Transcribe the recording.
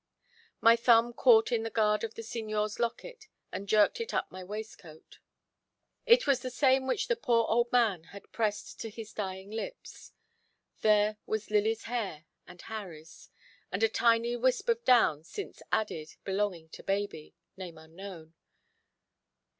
My thumb caught in the guard of the Signor's locket, and jerked it up my waistcoat. It was the same which the poor old man had pressed to his dying lips. There was Lily's hair and Harry's, and a tiny wisp of down since added, belonging to baby name unknown.